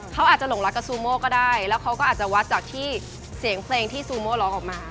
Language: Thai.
เขาอาจจะหลงรักกับซูโม่ก็ได้แล้วเขาก็อาจจะวัดจากที่เสียงเพลงที่ซูโม่ร้องออกมา